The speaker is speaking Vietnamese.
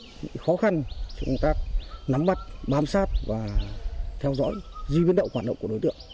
thì gặp không ít khó khăn trong công tác nắm mắt bám sát và theo dõi duy biến động hoạt động của đối tượng